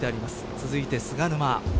続いて菅沼。